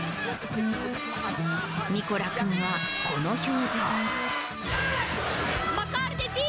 ミコラ君はこの表情。